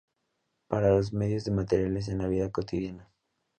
Para los medios de materiales en la vida cotidiana.